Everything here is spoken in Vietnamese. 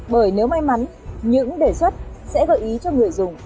bởi nếu may mắn những đề xuất sẽ gợi ý cho người dùng